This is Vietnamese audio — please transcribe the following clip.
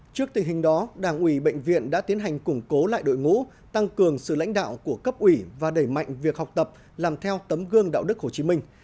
trước tình hình đó đảng ủy bệnh viện đã tiến hành củng cố lại đội ngũ tăng cường sự lãnh đạo của cấp ủy và đẩy mạnh việc học tập làm theo tấm gương đạo đức hồ chí minh